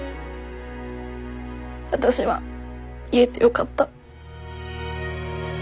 私は言えてよかった。